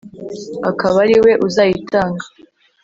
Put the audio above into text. Akaba ari we uzayitanga